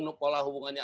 meskipun pola hubungannya